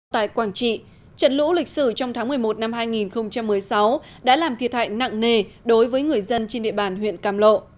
tại quảng trị trận lũ lịch sử trong tháng một mươi một năm hai nghìn một mươi sáu đã làm thiệt hại nặng nề đối với người dân trên địa bàn huyện càm lộ